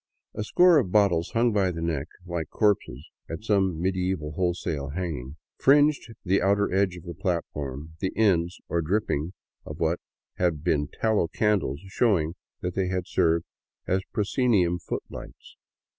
A score of bottles hung by the neck, like corpses at some medieval wholesale hanging, fringed the outer edge of the platform, the ends or drippings of what had been tallow candles showing that they had served as proscenium footlights.